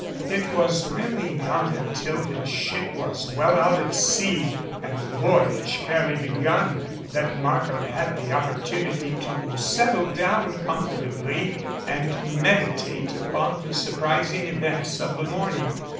It was really not until his ship was well out at sea and the voyage fairly begun that Markham had the oppor tunity to settle down comfortably and meditate upon the surprising events of the morning.